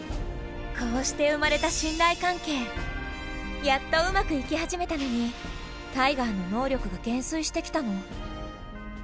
こうして生まれたやっとうまくいき始めたのにタイガーの能力が減衰してきたの。